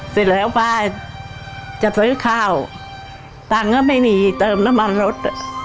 เสร็จแล้วป้าจะซื้อข้าวตังค์ก็ไม่มีเติมน้ำมันรถ